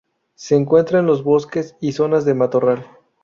Se encuentra en los bosques y zonas de matorral.